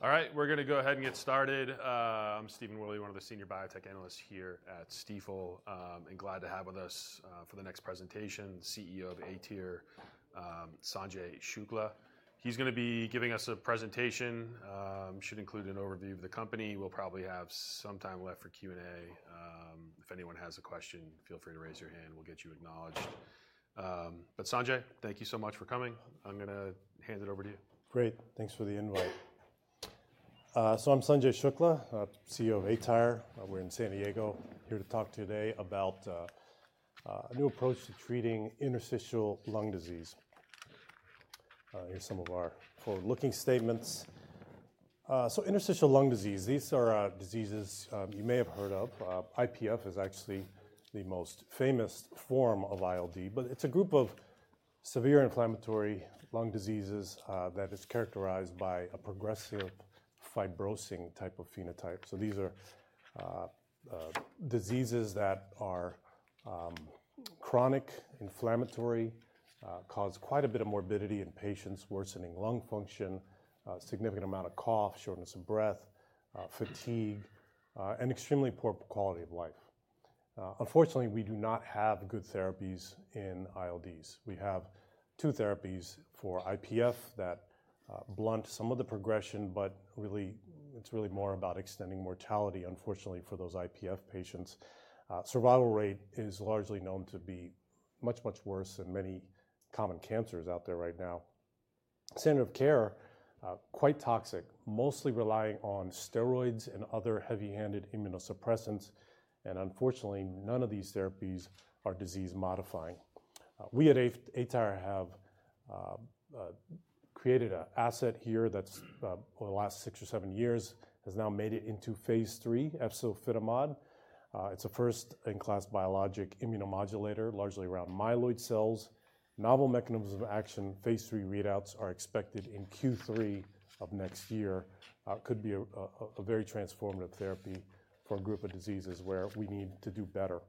All right, we're going to go ahead and get started. I'm Stephen Willey, one of the senior biotech analysts here at Stifel, and glad to have with us for the next presentation, CEO of aTyr, Sanjay Shukla. He's going to be giving us a presentation. It should include an overview of the company. We'll probably have some time left for Q&A. If anyone has a question, feel free to raise your hand. We'll get you acknowledged. But Sanjay, thank you so much for coming. I'm going to hand it over to you. Great. Thanks for the invite. So I'm Sanjay Shukla, CEO of aTyr. We're in San Diego here to talk today about a new approach to treating interstitial lung disease. Here are some of our forward-looking statements. So interstitial lung disease, these are diseases you may have heard of. IPF is actually the most famous form of ILD, but it's a group of severe inflammatory lung diseases that is characterized by a progressive fibrosing type of phenotype. So these are diseases that are chronic, inflammatory, cause quite a bit of morbidity in patients, worsening lung function, a significant amount of cough, shortness of breath, fatigue, and extremely poor quality of life. Unfortunately, we do not have good therapies in ILDs. We have two therapies for IPF that blunt some of the progression, but really, it's really more about extending mortality, unfortunately, for those IPF patients. Survival rate is largely known to be much, much worse than many common cancers out there right now. Standard of care, quite toxic, mostly relying on steroids and other heavy-handed immunosuppressants. And unfortunately, none of these therapies are disease-modifying. We at aTyr have created an asset here that's over the last six or seven years has now made it into phase III, efzofitimod. It's a first-in-class biologic immunomodulator, largely around myeloid cells. Novel mechanisms of action, phase III readouts are expected in Q3 of next year. It could be a very transformative therapy for a group of diseases where we need to do better.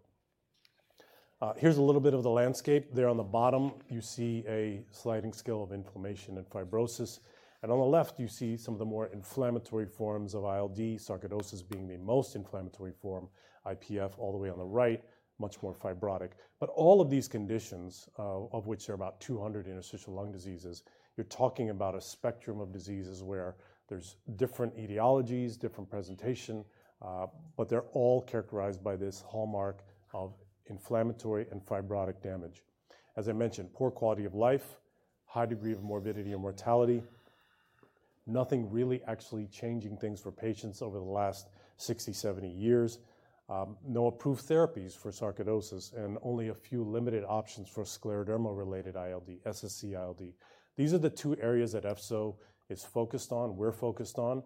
Here's a little bit of the landscape. There on the bottom, you see a sliding scale of inflammation and fibrosis. And on the left, you see some of the more inflammatory forms of ILD, sarcoidosis being the most inflammatory form, IPF all the way on the right, much more fibrotic. But all of these conditions, of which there are about 200 interstitial lung diseases, you're talking about a spectrum of diseases where there's different etiologies, different presentation, but they're all characterized by this hallmark of inflammatory and fibrotic damage. As I mentioned, poor quality of life, high degree of morbidity and mortality, nothing really actually changing things for patients over the last 60, 70 years, no approved therapies for sarcoidosis, and only a few limited options for scleroderma-related ILD, SSc ILD. These are the two areas that efzofitimod is focused on, we're focused on.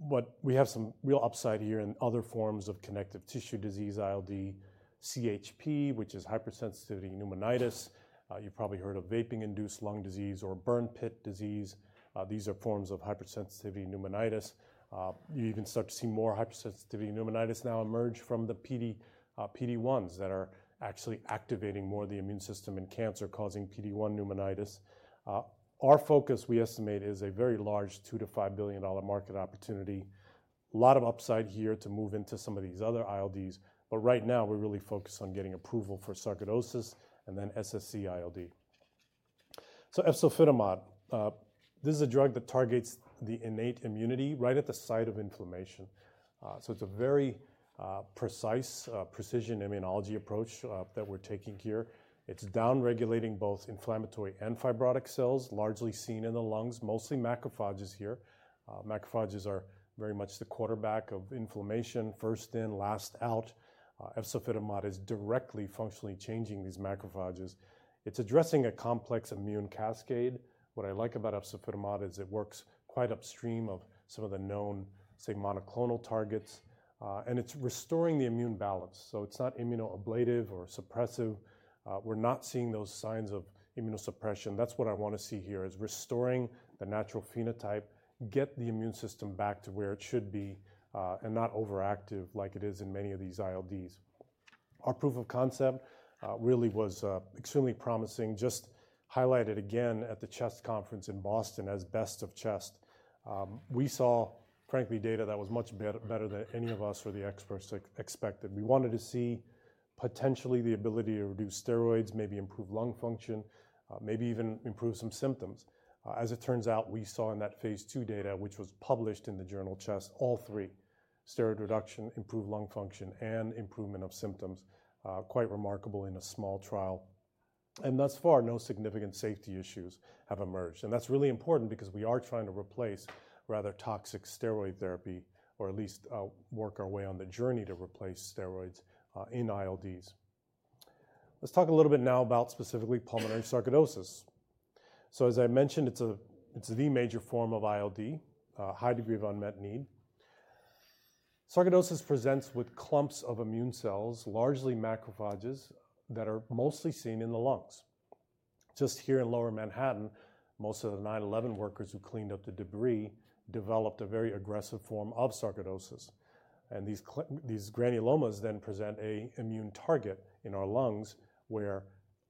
But we have some real upside here in other forms of connective tissue disease ILD, CHP, which is hypersensitivity pneumonitis. You've probably heard of vaping-induced lung disease or burn pit disease. These are forms of hypersensitivity pneumonitis. You even start to see more hypersensitivity pneumonitis now emerge from the PD-1s that are actually activating more of the immune system in cancer, causing PD-1 pneumonitis. Our focus, we estimate, is a very large $2-$5 billion market opportunity. A lot of upside here to move into some of these other ILDs, but right now, we're really focused on getting approval for sarcoidosis and then SSc ILD. So efzofitimod, this is a drug that targets the innate immunity right at the site of inflammation. So it's a very precise precision immunology approach that we're taking here. It's downregulating both inflammatory and fibrotic cells, largely seen in the lungs, mostly macrophages here. Macrophages are very much the quarterback of inflammation, first in, last out. efzofitimod is directly functionally changing these macrophages. It's addressing a complex immune cascade. What I like about efzofitimod is it works quite upstream of some of the known, say, monoclonal targets, and it's restoring the immune balance, so it's not immunoablative or suppressive. We're not seeing those signs of immunosuppression. That's what I want to see here is restoring the natural phenotype, get the immune system back to where it should be, and not overactive like it is in many of these ILDs. Our proof of concept really was extremely promising, just highlighted again at the CHEST conference in Boston as best of CHEST. We saw, frankly, data that was much better than any of us or the experts expected. We wanted to see potentially the ability to reduce steroids, maybe improve lung function, maybe even improve some symptoms. As it turns out, we saw in that phase II data, which was published in the journal CHEST, all three, steroid reduction, improved lung function, and improvement of symptoms, quite remarkable in a small trial. And thus far, no significant safety issues have emerged. And that's really important because we are trying to replace rather toxic steroid therapy, or at least work our way on the journey to replace steroids in ILDs. Let's talk a little bit now about specifically pulmonary sarcoidosis. So as I mentioned, it's the major form of ILD, high degree of unmet need. Sarcoidosis presents with clumps of immune cells, largely macrophages, that are mostly seen in the lungs. Just here in lower Manhattan, most of the 9/11 workers who cleaned up the debris developed a very aggressive form of sarcoidosis. These granulomas then present an immune target in our lungs where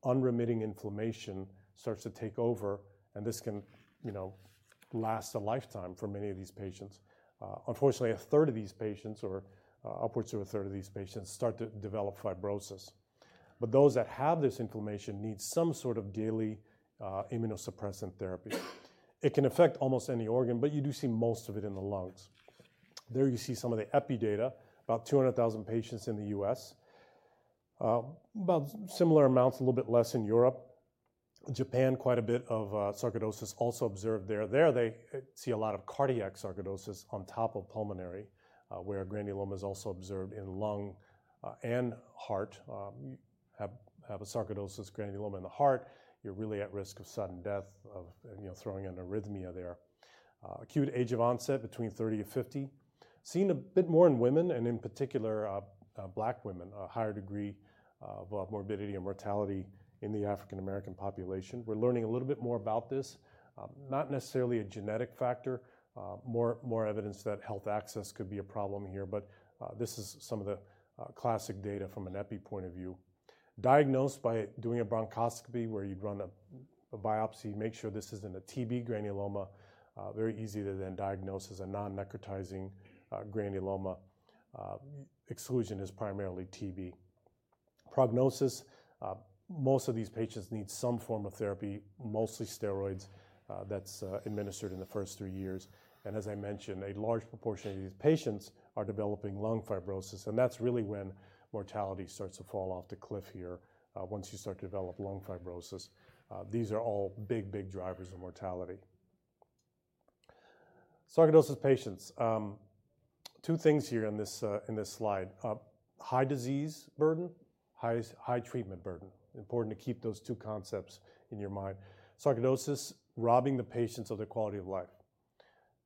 unremitting inflammation starts to take over, and this can last a lifetime for many of these patients. Unfortunately, a third of these patients, or upwards of a third of these patients, start to develop fibrosis. Those that have this inflammation need some sort of daily immunosuppressant therapy. It can affect almost any organ, but you do see most of it in the lungs. There you see some of the Epi data, about 200,000 patients in the U.S., about similar amounts, a little bit less in Europe. Japan, quite a bit of sarcoidosis also observed there. There, they see a lot of cardiac sarcoidosis on top of pulmonary, where granulomas also observed in lung and heart. You have a sarcoidosis granuloma in the heart. You're really at risk of sudden death, of throwing an arrhythmia there. Acute age of onset between 30-50, seen a bit more in women, and in particular, Black women, a higher degree of morbidity and mortality in the African American population. We're learning a little bit more about this, not necessarily a genetic factor, more evidence that health access could be a problem here, but this is some of the classic data from an Epi point of view. Diagnosed by doing a bronchoscopy where you'd run a biopsy, make sure this isn't a TB granuloma, very easy to then diagnose as a non-necrotizing granuloma. Exclusion is primarily TB. Prognosis, most of these patients need some form of therapy, mostly steroids that's administered in the first three years, and as I mentioned, a large proportion of these patients are developing lung fibrosis, and that's really when mortality starts to fall off the cliff here once you start to develop lung fibrosis. These are all big, big drivers of mortality. Sarcoidosis patients, two things here in this slide, high disease burden, high treatment burden. Important to keep those two concepts in your mind. Sarcoidosis robbing the patients of their quality of life.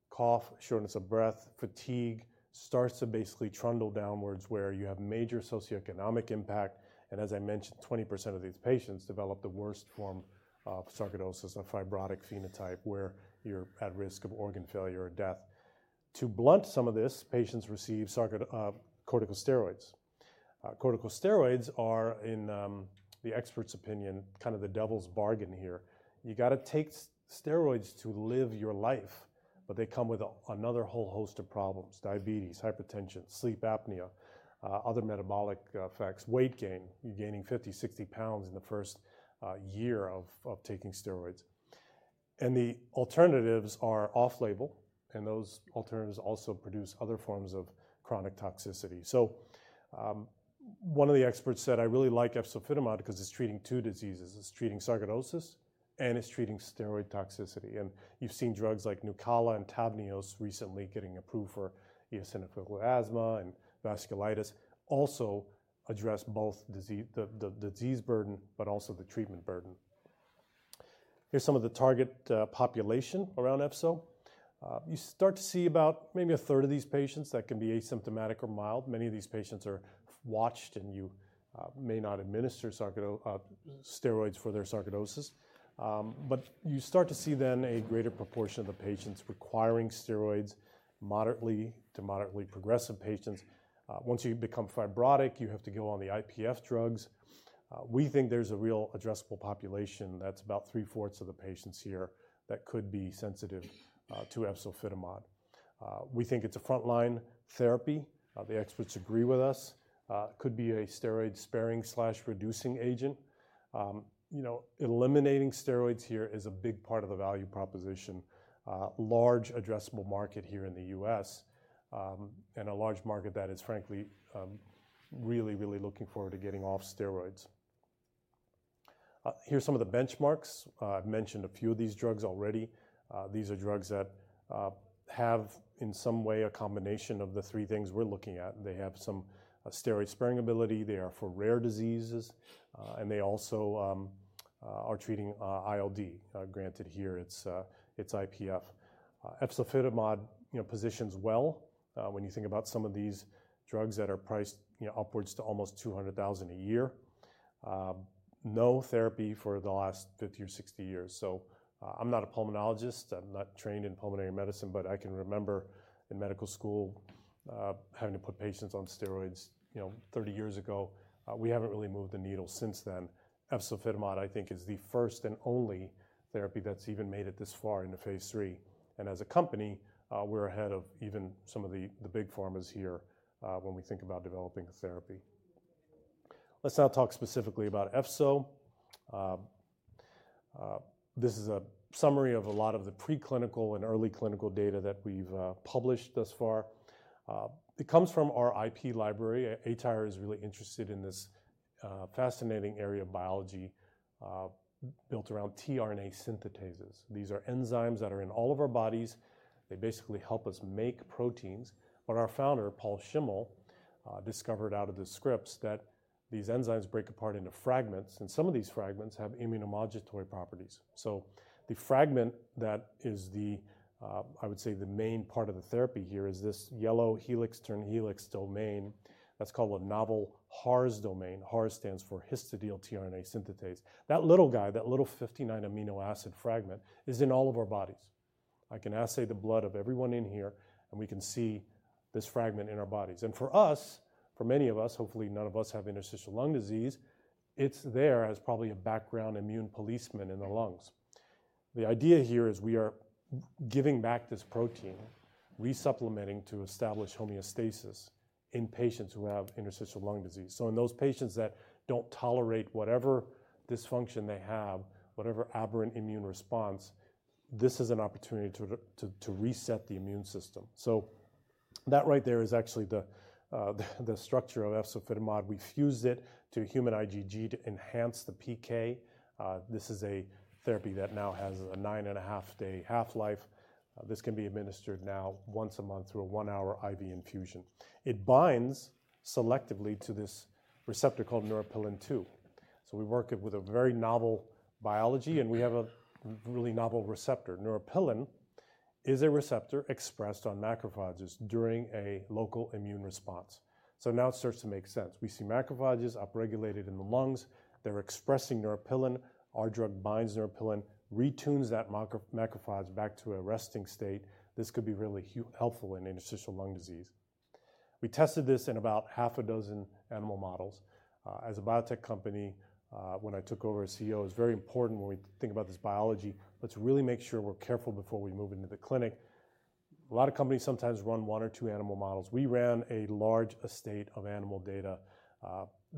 Cough, shortness of breath, fatigue starts to basically trundle downwards where you have major socioeconomic impact. And as I mentioned, 20% of these patients develop the worst form of sarcoidosis, a fibrotic phenotype where you're at risk of organ failure or death. To blunt some of this, patients receive corticosteroids. Corticosteroids are, in the experts' opinion, kind of the devil's bargain here. You got to take steroids to live your life, but they come with another whole host of problems, diabetes, hypertension, sleep apnea, other metabolic effects, weight gain, you're gaining 50-60 pounds in the first year of taking steroids. The alternatives are off-label, and those alternatives also produce other forms of chronic toxicity. So one of the experts said, "I really like efzofitimod because it's treating two diseases. It's treating sarcoidosis, and it's treating steroid toxicity." And you've seen drugs like Nucala and Tabneos recently getting approved for eosinophilic asthma and vasculitis, also address both the disease burden, but also the treatment burden. Here's some of the target population around Efzo. You start to see about maybe a third of these patients that can be asymptomatic or mild. Many of these patients are watched, and you may not administer steroids for their sarcoidosis. But you start to see then a greater proportion of the patients requiring steroids, moderately to moderately progressive patients. Once you become fibrotic, you have to go on the IPF drugs. We think there's a real addressable population. That's about three-fourths of the patients here that could be sensitive to efzofitimod. We think it's a frontline therapy. The experts agree with us. It could be a steroid-sparing/reducing agent. Eliminating steroids here is a big part of the value proposition, large addressable market here in the U.S., and a large market that is, frankly, really, really looking forward to getting off steroids. Here's some of the benchmarks. I've mentioned a few of these drugs already. These are drugs that have, in some way, a combination of the three things we're looking at. They have some steroid-sparing ability. They are for rare diseases, and they also are treating ILD. Granted, here it's IPF. efzofitimod positions well when you think about some of these drugs that are priced upwards to almost $200,000 a year. No therapy for the last 50 or 60 years. So I'm not a pulmonologist. I'm not trained in pulmonary medicine, but I can remember in medical school having to put patients on steroids 30 years ago. We haven't really moved the needle since then. efzofitimod, I think, is the first and only therapy that's even made it this far into phase III, and as a company, we're ahead of even some of the big pharmas here when we think about developing therapy. Let's now talk specifically about efzofitimod. This is a summary of a lot of the preclinical and early clinical data that we've published thus far. It comes from our IP library. aTyr is really interested in this fascinating area of biology built around tRNA synthetases. These are enzymes that are in all of our bodies. They basically help us make proteins. But our founder, Paul Schimmel, discovered out of the tRNAs that these enzymes break apart into fragments, and some of these fragments have immunomodulatory properties. So the fragment that is, I would say, the main part of the therapy here is this yellow helix-turn-helix domain. That's called a novel HARS domain. HARS stands for histidyl-tRNA synthetase. That little guy, that little 59 amino acid fragment is in all of our bodies. I can assay the blood of everyone in here, and we can see this fragment in our bodies. And for us, for many of us, hopefully none of us have interstitial lung disease, it's there as probably a background immune policeman in the lungs. The idea here is we are giving back this protein, resupplementing to establish homeostasis in patients who have interstitial lung disease. In those patients that don't tolerate whatever dysfunction they have, whatever aberrant immune response, this is an opportunity to reset the immune system. So that right there is actually the structure of efzofitimod. We fused it to human IgG to enhance the PK. This is a therapy that now has a nine and a half day half-life. This can be administered now once a month through a one-hour IV infusion. It binds selectively to this receptor called neuropilin-2. So we work it with a very novel biology, and we have a really novel receptor. neuropilin-2 is a receptor expressed on macrophages during a local immune response. So now it starts to make sense. We see macrophages upregulated in the lungs. They're expressing neuropilin-2. Our drug binds neuropilin-2, retunes that macrophage back to a resting state. This could be really helpful in interstitial lung disease. We tested this in about half a dozen animal models. As a biotech company, when I took over as CEO, it's very important when we think about this biology, let's really make sure we're careful before we move into the clinic. A lot of companies sometimes run one or two animal models. We ran a large array of animal data,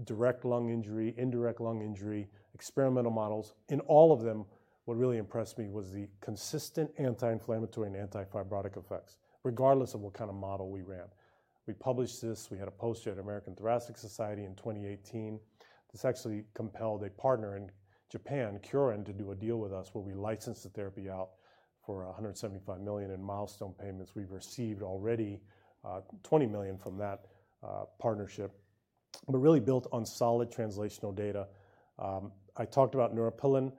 direct lung injury, indirect lung injury, experimental models. In all of them, what really impressed me was the consistent anti-inflammatory and anti-fibrotic effects, regardless of what kind of model we ran. We published this. We had a poster here at American Thoracic Society in 2018. This actually compelled a partner in Japan, Kyorin, to do a deal with us where we licensed the therapy out for $175 million in milestone payments. We've received already $20 million from that partnership, but really built on solid translational data. I talked about neuropilin.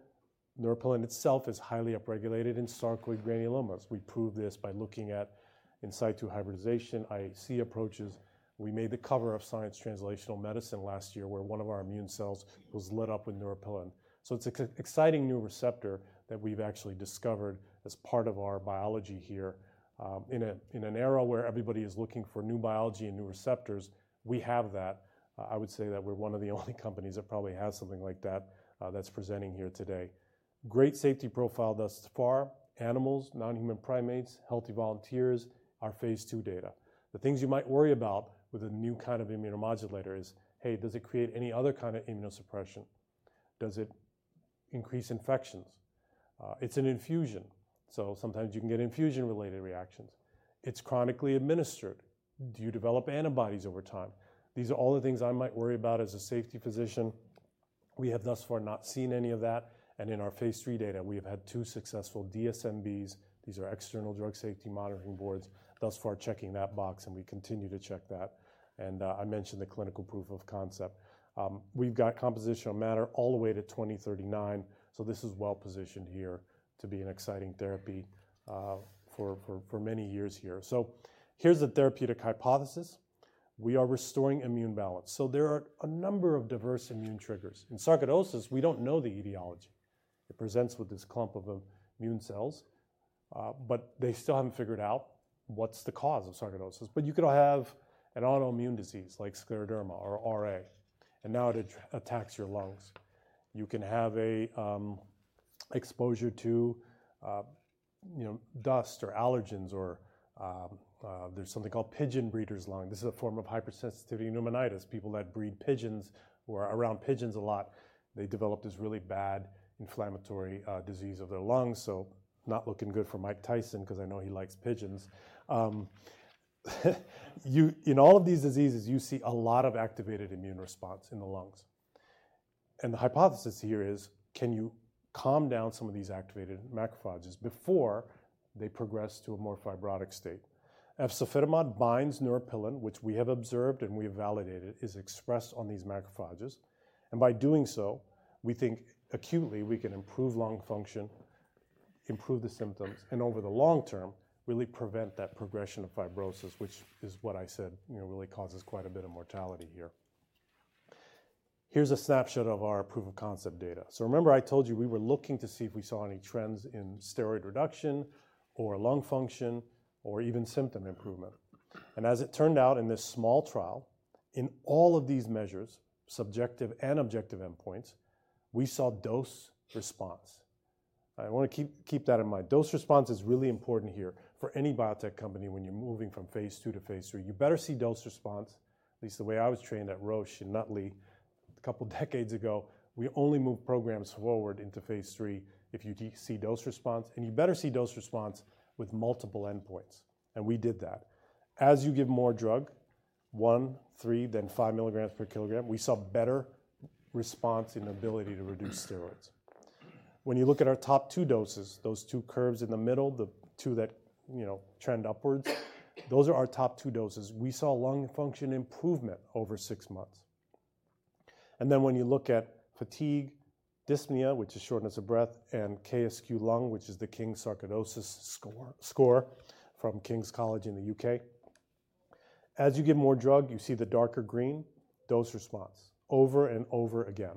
Neuropilin-2 itself is highly upregulated in sarcoid granulomas. We proved this by looking at in situ hybridization, IHC approaches. We made the cover of Science Translational Medicine last year where one of our immune cells was lit up with neuropilin-2. So it's an exciting new receptor that we've actually discovered as part of our biology here. In an era where everybody is looking for new biology and new receptors, we have that. I would say that we're one of the only companies that probably has something like that that's presenting here today. Great safety profile thus far. Animals, non-human primates, healthy volunteers are phase II data. The things you might worry about with a new kind of immunomodulator is, hey, does it create any other kind of immunosuppression? Does it increase infections? It's an infusion. So sometimes you can get infusion-related reactions. It's chronically administered. Do you develop antibodies over time? These are all the things I might worry about as a safety physician. We have thus far not seen any of that, and in our phase III data, we have had two successful DSMBs. These are External Drug Safety Monitoring Boards, thus far checking that box, and we continue to check that, and I mentioned the clinical proof of concept. We've got compositional matter all the way to 2039, so this is well positioned here to be an exciting therapy for many years here, so here's the therapeutic hypothesis. We are restoring immune balance, so there are a number of diverse immune triggers. In sarcoidosis, we don't know the etiology. It presents with this clump of immune cells, but they still haven't figured out what's the cause of sarcoidosis. But you could have an autoimmune disease like scleroderma or RA, and now it attacks your lungs. You can have exposure to dust or allergens, or there's something called pigeon breeders' lung. This is a form of hypersensitivity pneumonitis. People that breed pigeons or are around pigeons a lot, they develop this really bad inflammatory disease of their lungs. So not looking good for Mike Tyson because I know he likes pigeons. In all of these diseases, you see a lot of activated immune response in the lungs. And the hypothesis here is, can you calm down some of these activated macrophages before they progress to a more fibrotic state? efzofitimod binds neuropilin-2, which we have observed and we have validated is expressed on these macrophages. And by doing so, we think acutely we can improve lung function, improve the symptoms, and over the long term, really prevent that progression of fibrosis, which is what I said really causes quite a bit of mortality here. Here's a snapshot of our proof of concept data. So remember I told you we were looking to see if we saw any trends in steroid reduction or lung function or even symptom improvement. And as it turned out in this small trial, in all of these measures, subjective and objective endpoints, we saw dose response. I want to keep that in mind. Dose response is really important here for any biotech company when you're moving from phase II to phase III. You better see dose response. At least the way I was trained at Roche and Nutley a couple of decades ago, we only move programs forward into phase III if you see dose response, and you better see dose response with multiple endpoints, and we did that. As you give more drug, one, three, then five milligrams per kilogram, we saw better response in ability to reduce steroids. When you look at our top two doses, those two curves in the middle, the two that trend upwards, those are our top two doses. We saw lung function improvement over six months, and then when you look at fatigue, dyspnea, which is shortness of breath, and KSQ Lung, which is the King's Sarcoidosis Score from King's College in the U.K., as you give more drug, you see the darker green dose response over and over again.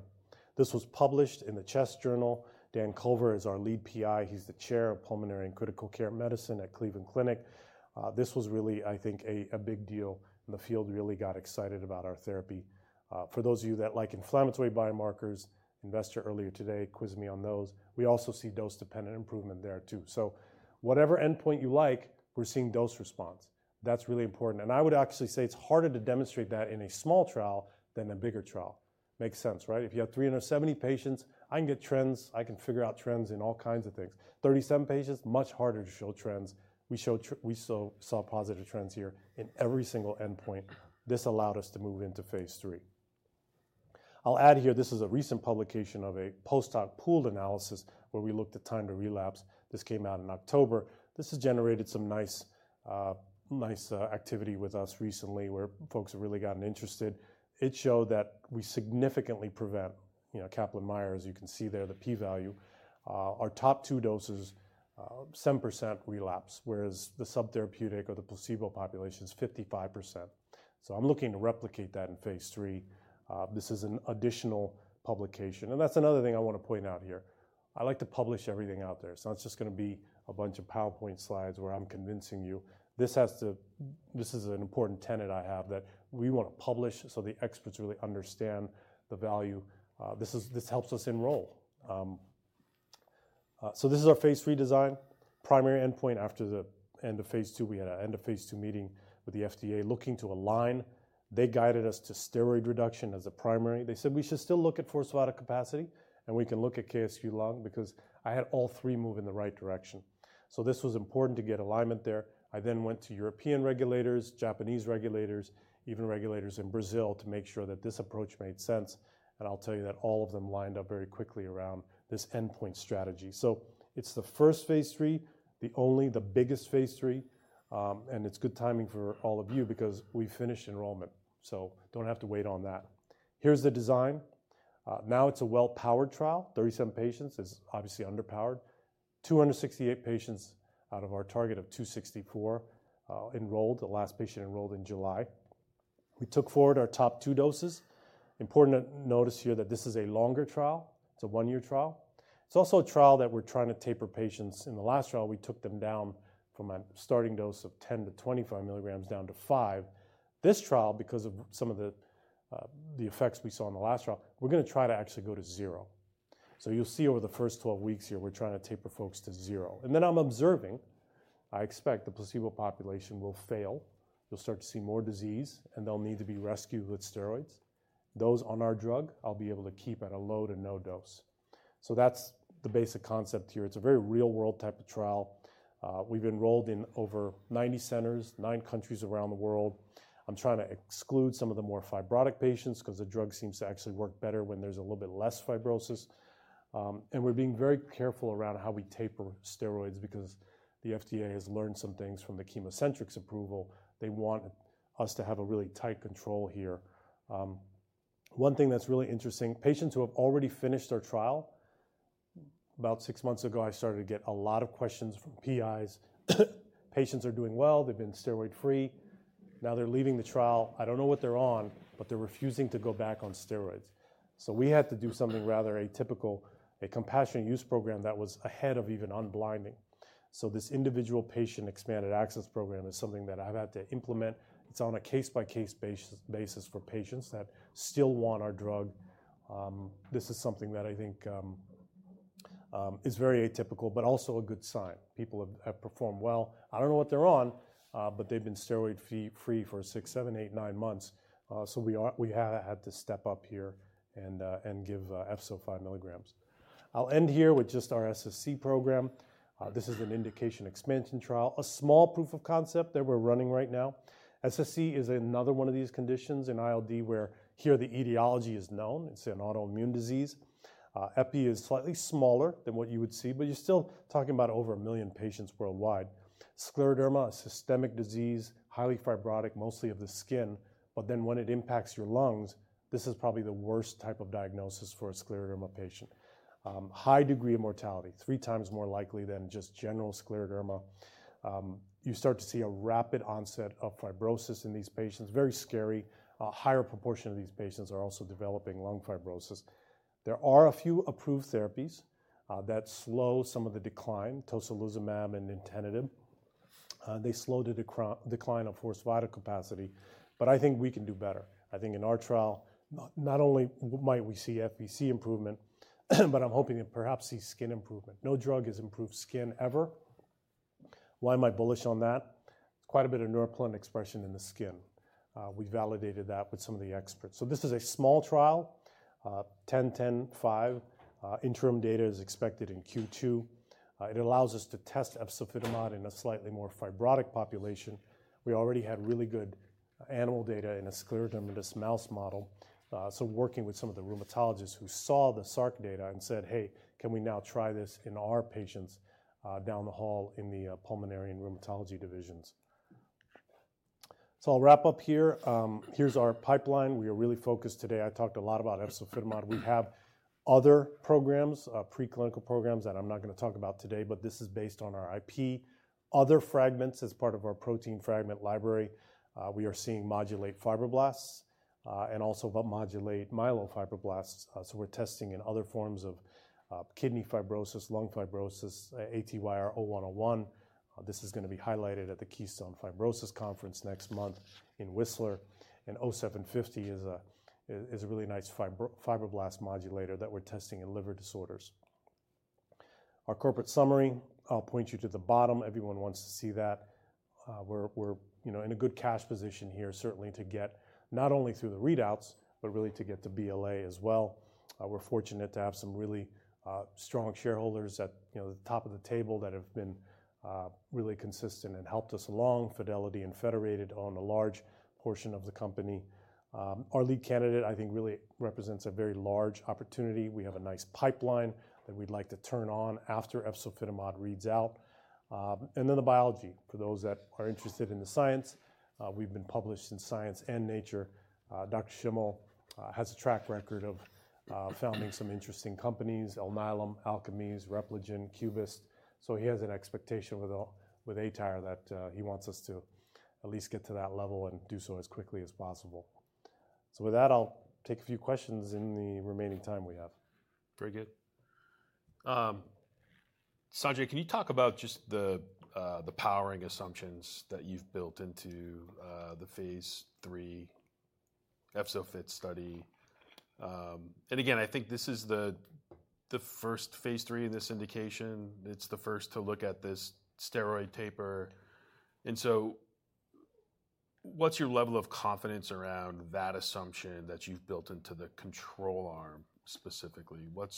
This was published in the CHEST journal. Dan Culver is our lead PI. He's the chair of pulmonary and critical care medicine at Cleveland Clinic. This was really, I think, a big deal. The field really got excited about our therapy. For those of you that like inflammatory biomarkers, an investor earlier today quizzed me on those. We also see dose-dependent improvement there too. So whatever endpoint you like, we're seeing dose response. That's really important, and I would actually say it's harder to demonstrate that in a small trial than a bigger trial. Makes sense, right? If you have 370 patients, I can get trends. I can figure out trends in all kinds of things. 37 patients, much harder to show trends. We saw positive trends here in every single endpoint. This allowed us to move into phase III. I'll add here, this is a recent publication of a post hoc pooled analysis where we looked at time to relapse. This came out in October. This has generated some nice activity with us recently where folks have really gotten interested. It showed that we significantly prevent Kaplan-Meier, as you can see there, the p-value. Our top two doses, 7% relapse, whereas the subtherapeutic or the placebo population is 55%. So I'm looking to replicate that in phase III. This is an additional publication. And that's another thing I want to point out here. I like to publish everything out there. So it's just going to be a bunch of PowerPoint slides where I'm convincing you. This is an important tenet I have that we want to publish so the experts really understand the value. This helps us enroll. So this is our phase III design. Primary endpoint after the end of phase II, we had an end of phase II meeting with the FDA looking to align. They guided us to steroid reduction as a primary. They said we should still look at forced vital capacity, and we can look at KSQ Lung because I had all three move in the right direction. So this was important to get alignment there. I then went to European regulators, Japanese regulators, even regulators in Brazil to make sure that this approach made sense. And I'll tell you that all of them lined up very quickly around this endpoint strategy. So it's the first phase III, the only, the biggest phase III. And it's good timing for all of you because we finished enrollment. So don't have to wait on that. Here's the design. Now it's a well-powered trial. 37 patients is obviously underpowered. 268 patients out of our target of 264 enrolled. The last patient enrolled in July. We took forward our top two doses. Important to notice here that this is a longer trial. It's a one-year trial. It's also a trial that we're trying to taper patients. In the last trial, we took them down from a starting dose of 10-25 milligrams down to five. This trial, because of some of the effects we saw in the last trial, we're going to try to actually go to zero. So you'll see over the first 12 weeks here, we're trying to taper folks to zero, and then I'm observing. I expect the placebo population will fail. You'll start to see more disease, and they'll need to be rescued with steroids. Those on our drug, I'll be able to keep at a low to no dose. That's the basic concept here. It's a very real-world type of trial. We've enrolled in over 90 centers, nine countries around the world. I'm trying to exclude some of the more fibrotic patients because the drug seems to actually work better when there's a little bit less fibrosis. We're being very careful around how we taper steroids because the FDA has learned some things from the ChemoCentryx approval. They want us to have a really tight control here. One thing that's really interesting, patients who have already finished their trial, about six months ago, I started to get a lot of questions from PIs. Patients are doing well. They've been steroid-free. Now they're leaving the trial. I don't know what they're on, but they're refusing to go back on steroids. We had to do something rather atypical, a compassionate use program that was ahead of even unblinding. This individual patient expanded access program is something that I've had to implement. It's on a case-by-case basis for patients that still want our drug. This is something that I think is very atypical, but also a good sign. People have performed well. I don't know what they're on, but they've been steroid-free for six, seven, eight, nine months. So we have had to step up here and give efzofitimod five milligrams. I'll end here with just our SSc program. This is an indication expansion trial, a small proof of concept that we're running right now. SSc is another one of these conditions in ILD where here the etiology is known. It's an autoimmune disease. efzofitimod is slightly smaller than what you would see, but you're still talking about over a million patients worldwide. Scleroderma, a systemic disease, highly fibrotic, mostly of the skin. But then when it impacts your lungs, this is probably the worst type of diagnosis for a scleroderma patient. High degree of mortality, three times more likely than just general scleroderma. You start to see a rapid onset of fibrosis in these patients. Very scary. A higher proportion of these patients are also developing lung fibrosis. There are a few approved therapies that slow some of the decline, tocilizumab and nintedanib. They slow the decline of forced vital capacity. But I think we can do better. I think in our trial, not only might we see FVC improvement, but I'm hoping to perhaps see skin improvement. No drug has improved skin ever. Why am I bullish on that? Quite a bit of neuropilin expression in the skin. We validated that with some of the experts. So this is a small trial, 10, 10, 5. Interim data is expected in Q2. It allows us to test efzofitimod in a slightly more fibrotic population. We already had really good animal data in a scleroderma mouse model. So working with some of the rheumatologists who saw the SARC data and said, "Hey, can we now try this in our patients down the hall in the pulmonary and rheumatology divisions?" So I'll wrap up here. Here's our pipeline. We are really focused today. I talked a lot about efzofitimod. We have other programs, preclinical programs that I'm not going to talk about today, but this is based on our IP. Other fragments as part of our protein fragment library. We are seeing modulate fibroblasts and also modulate myofibroblasts. So we're testing in other forms of kidney fibrosis, lung fibrosis, aTyr0101. This is going to be highlighted at the Keystone Fibrosis Conference next month in Whistler. aTyr0750 is a really nice fibroblast modulator that we're testing in liver disorders. Our corporate summary, I'll point you to the bottom. Everyone wants to see that. We're in a good cash position here, certainly to get not only through the readouts, but really to get to BLA as well. We're fortunate to have some really strong shareholders at the top of the table that have been really consistent and helped us along. Fidelity and Federated own a large portion of the company. Our lead candidate, I think, really represents a very large opportunity. We have a nice pipeline that we'd like to turn on after efzofitimod reads out. And then the biology, for those that are interested in the science. We've been published in Science and Nature. Dr. Schimmel has a track record of founding some interesting companies: Alnylam, Alkermes, Repligen, Cubist. So he has an expectation with aTyr that he wants us to at least get to that level and do so as quickly as possible. So with that, I'll take a few questions in the remaining time we have. Very good. Sanjay, can you talk about just the powering assumptions that you've built into the phase III EFZO-FIT study? And again, I think this is the first phase III in this indication. It's the first to look at this steroid taper. And so what's your level of confidence around that assumption that you've built into the control arm specifically? What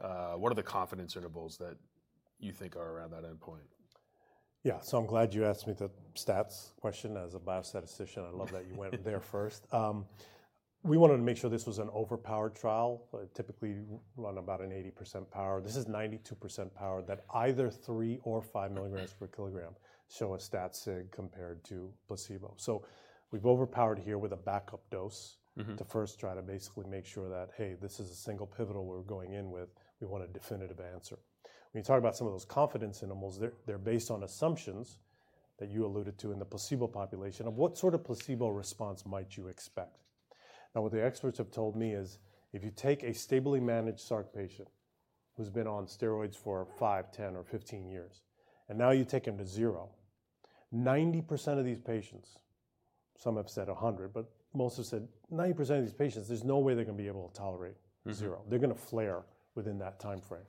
are the confidence intervals that you think are around that endpoint? Yeah, so I'm glad you asked me the stats question as a biostatistician. I love that you went there first. We wanted to make sure this was an overpowered trial. Typically, run about an 80% power. This is 92% power that either three or five milligrams per kilogram show a stat sig compared to placebo. So we've overpowered here with a backup dose to first try to basically make sure that, hey, this is a single pivotal we're going in with. We want a definitive answer. When you talk about some of those confidence intervals, they're based on assumptions that you alluded to in the placebo population of what sort of placebo response might you expect. Now, what the experts have told me is if you take a stably managed SARC patient who's been on steroids for five, 10, or 15 years, and now you take them to zero, 90% of these patients, some have said 100%, but most have said 90% of these patients, there's no way they're going to be able to tolerate zero. They're going to flare within that timeframe.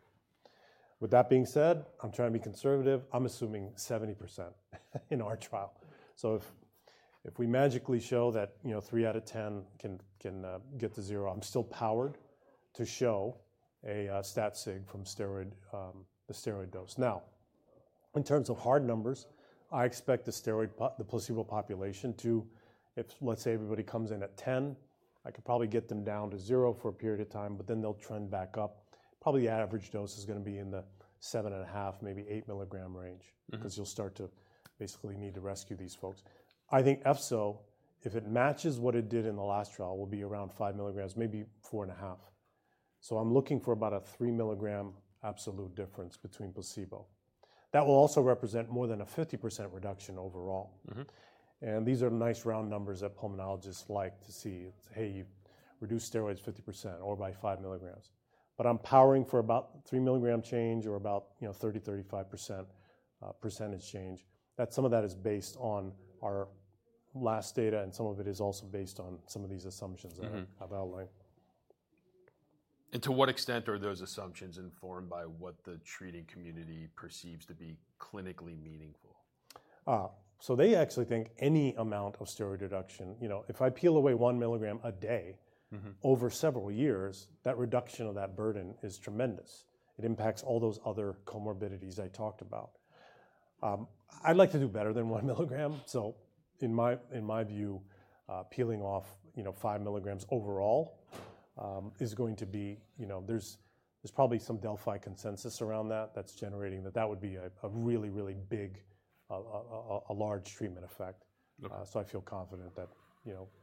With that being said, I'm trying to be conservative. I'm assuming 70% in our trial. So if we magically show that three out of 10 can get to zero, I'm still powered to show a stat sig from the steroid dose. Now, in terms of hard numbers, I expect the placebo population to, let's say everybody comes in at 10, I could probably get them down to zero for a period of time, but then they'll trend back up. Probably the average dose is going to be in the 7.5, maybe eight milligram range because you'll start to basically need to rescue these folks. I think efzofitimod, if it matches what it did in the last trial, will be around five milligrams, maybe four and a half. So I'm looking for about a three milligram absolute difference between placebo. That will also represent more than a 50% reduction overall. And these are nice round numbers that pulmonologists like to see. It's, hey, you've reduced steroids 50% or by five milligrams. But I'm powering for about three milligram change or about 30-35% percentage change. That some of that is based on our last data and some of it is also based on some of these assumptions that I've outlined. To what extent are those assumptions informed by what the treating community perceives to be clinically meaningful? They actually think any amount of steroid reduction, if I peel away one milligram a day over several years, that reduction of that burden is tremendous. It impacts all those other comorbidities I talked about. I'd like to do better than one milligram. In my view, peeling off five milligrams overall is going to be. There's probably some Delphi consensus around that that's generating that that would be a really, really big, a large treatment effect. I feel confident that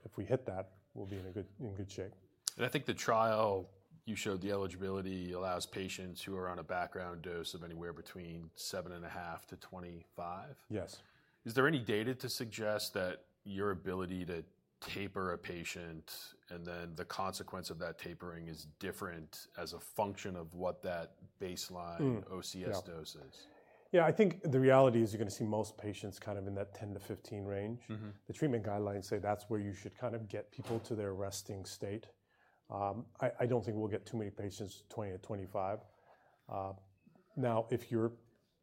if we hit that, we'll be in good shape. I think the trial you showed the eligibility allows patients who are on a background dose of anywhere between 7.5-25. Yes. Is there any data to suggest that your ability to taper a patient and then the consequence of that tapering is different as a function of what that baseline OCS dose is? Yeah, I think the reality is you're going to see most patients kind of in that 10-15 range. The treatment guidelines say that's where you should kind of get people to their resting state. I don't think we'll get too many patients 20-25. Now, if you're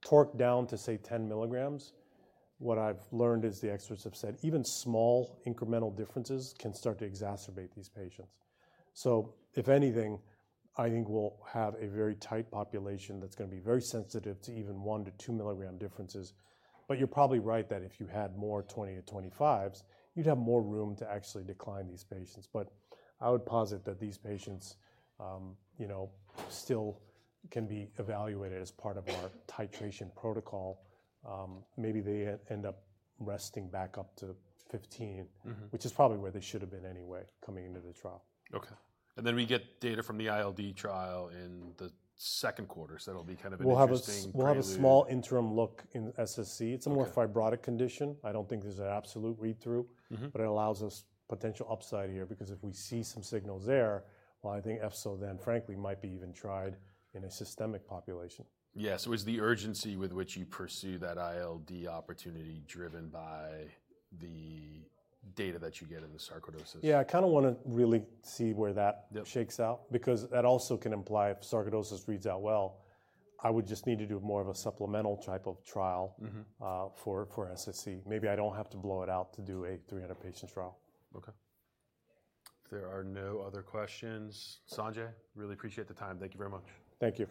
tapered down to say 10 milligrams, what I've learned is the experts have said even small incremental differences can start to exacerbate these patients. So if anything, I think we'll have a very tight population that's going to be very sensitive to even one to two milligram differences. But you're probably right that if you had more 20-25s, you'd have more room to actually decline these patients. But I would posit that these patients still can be evaluated as part of our titration protocol. Maybe they end up resting back up to 15, which is probably where they should have been anyway coming into the trial. Okay. And then we get data from the ILD trial in the second quarter. So that'll be kind of interesting to read. We'll have a small interim look in SSc. It's a more fibrotic condition. I don't think there's an absolute read-through, but it allows us potential upside here because if we see some signals there, well, I think efzofitimod then, frankly, might be even tried in a systemic population. Yeah, so is the urgency with which you pursue that ILD opportunity driven by the data that you get in the sarcoidosis? Yeah, I kind of want to really see where that shakes out because that also can imply if sarcoidosis reads out well, I would just need to do more of a supplemental type of trial for SSc. Maybe I don't have to blow it out to do a 300-patient trial. Okay. There are no other questions. Sanjay, really appreciate the time. Thank you very much. Thank you.